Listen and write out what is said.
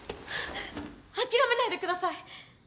諦めないでください。